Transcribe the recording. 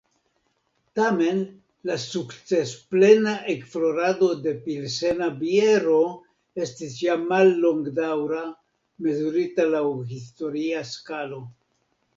Tamen la sukcesplena ekflorado de pilsena biero estis ja mallongdaŭra, mezurita laŭ historia skalo.